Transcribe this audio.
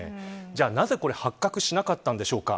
じゃあ、なぜこれ発覚しなかったんでしょうか。